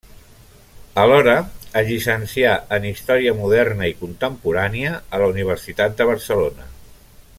Alhora es llicencià en història moderna i contemporània a la Universitat de Barcelona.